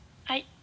はい。